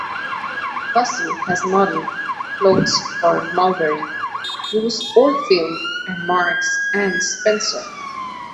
Bussell has modelled clothes for Mulberry, Bruce Oldfield and Marks and Spencer.